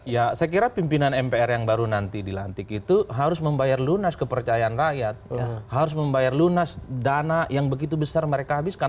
ya saya kira pimpinan mpr yang baru nanti dilantik itu harus membayar lunas kepercayaan rakyat harus membayar lunas dana yang begitu besar mereka habiskan